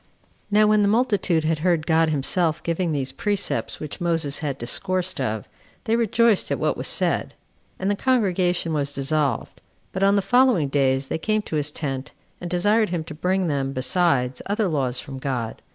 6. Now when the multitude had heard God himself giving those precepts which Moses had discoursed of, they rejoiced at what was said; and the congregation was dissolved: but on the following days they came to his tent, and desired him to bring them, besides, other laws from God.